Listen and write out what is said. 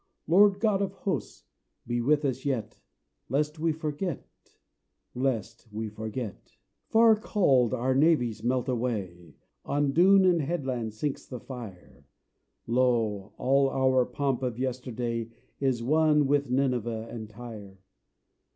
Lord God of Hosts, be with us yet, Lest we forget lest we forget! Far called our navies melt away; On dune and headland sinks the fire: Lo, all our pomp of yesterday Is one with Nineveh and Tyre!